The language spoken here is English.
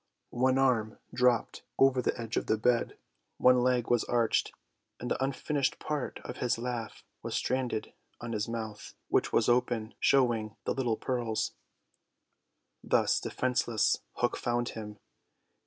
One arm dropped over the edge of the bed, one leg was arched, and the unfinished part of his laugh was stranded on his mouth, which was open, showing the little pearls. Thus defenceless Hook found him.